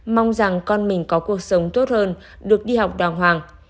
mong rằng con mình có cuộc sống tốt hơn được đi học đàng hoàng